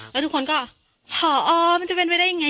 แล้วทุกคนก็ผอมันจะเป็นไปได้ยังไง